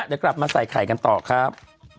เดี๋ยวกลับมาใส่ไข่กันต่อครับ